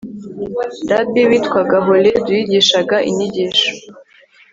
rabi witwaga holedu yigishaga inyigisho